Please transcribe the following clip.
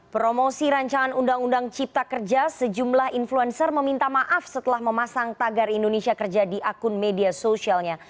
promosi rancangan undang undang cipta kerja sejumlah influencer meminta maaf setelah memasang tagar indonesia kerja di akun media sosialnya